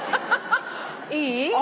いい？